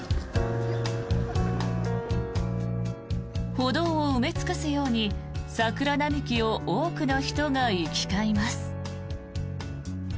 歩道を埋め尽くすように桜並木を多くの人が行き交います。